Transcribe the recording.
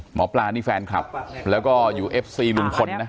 หมอปลานี่แฟนคลับแล้วก็อยู่เอฟซีลุงพลนะ